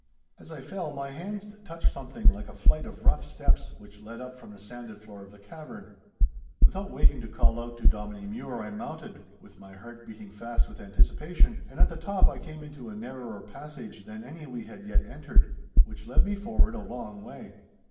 As I fell, my hands touched something like a flight of rough steps which led up from the sanded floor of the cavern. Without waiting to call out to Dominie Mure I mounted, with my heart beating fast with anticipation, and at the top I came into a narrower passage than any we had yet entered, which led me forward a long way.